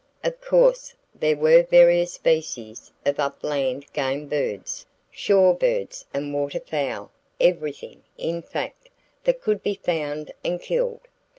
Of course there were various species of upland game birds, shore birds and waterfowl,—everything, in fact, that could be found and killed.